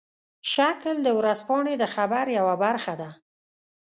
شکل د ورځپاڼې د خبر یوه برخه ده.